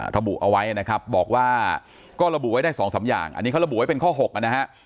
ระบุเอาไว้นะครับบอกว่าก็ระบุไว้ได้๒๓อย่างอันนี้เขาระบุไว้เป็นข้อ๖นะฮะ